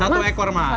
satu ekor ya